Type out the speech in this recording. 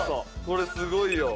これすごいよ。